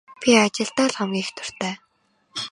Би ажилдаа л хамгийн их дуртай.